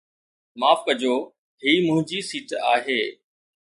معاف ڪجو، هي منهنجي سيٽ آهي